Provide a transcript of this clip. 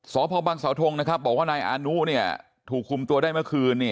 สพบังเสาทงบอกว่านายอานุถูกคุมตัวได้เมื่อคืน